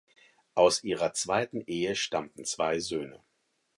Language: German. Aus ihrer zweiten Ehe stammten zwei Söhne.